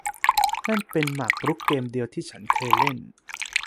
นั่นเป็นหมากรุกเกมเดียวที่ฉันเคยเล่น